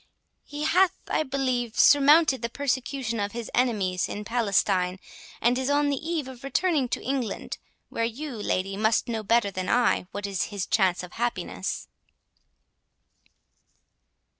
He hath, I believe, surmounted the persecution of his enemies in Palestine, and is on the eve of returning to England, where you, lady, must know better than I, what is his chance of happiness."